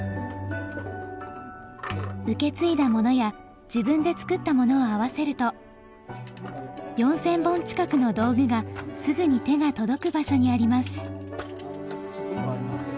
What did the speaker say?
受け継いだものや自分で作ったものを合わせると４，０００本近くの道具がすぐに手が届く場所にあります。